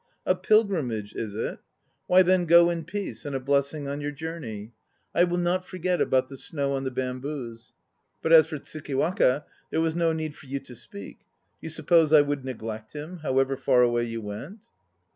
A pilgrimage, is it? Why then go in peace, and a blessing on your journey. I will not forget about the snow on the bamboos. But as for Tsukiwaka, there was no need for you to speak. Do you suppose I would neglect him, however far away you went?